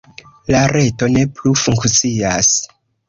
La reto ne plu funkcias.